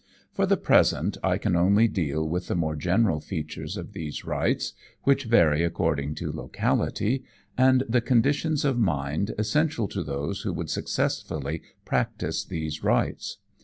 For the present I can only deal with the more general features of these rites (which vary according to locality) and the conditions of mind essential to those who would successfully practise these rites.